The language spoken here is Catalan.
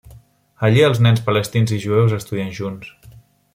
Allí els nens palestins i jueus estudien junts.